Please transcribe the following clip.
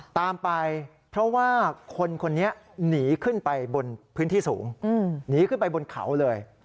ตามไปเพราะว่าคนคนนี้หนีขึ้นไปบนพื้นที่สูงหนีขึ้นไปบนเขาเลย